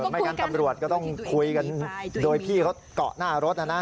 ไม่งั้นตำรวจก็ต้องคุยกันโดยพี่เขาเกาะหน้ารถนะนะ